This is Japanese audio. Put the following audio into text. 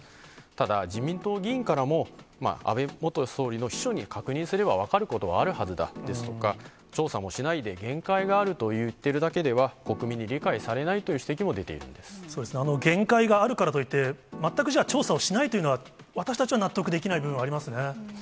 ただ、自民党議員からも、安倍元総理の秘書に確認すれば分かることはあるはずだですとか、調査もしないで限界があると言ってるだけでは、国民に理解されなそうですね、限界があるからといって、全くじゃあ、調査をしないというのは私たちは納得できない部分はありますね。